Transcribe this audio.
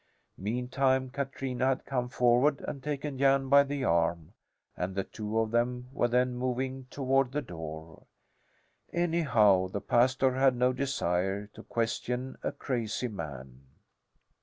Meantime Katrina had come forward and taken Jan by the arm, and the two of them were then moving toward the door. Anyhow, the pastor had no desire to question a crazy man.